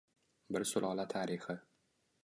Bir sulola tarixi